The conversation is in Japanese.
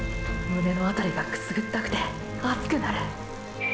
胸のあたりがくすぐったくて熱くなる！